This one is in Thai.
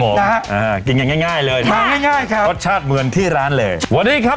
นะฮะอ่ากินกันง่ายง่ายเลยมาง่ายง่ายครับรสชาติเหมือนที่ร้านเลยวันนี้ครับ